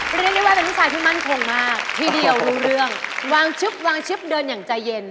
เรียกได้ว่าเป็นผู้ชายที่มั่นคงมากทีเดียวรู้เรื่องวางชึบวางชึบเดินอย่างใจเย็น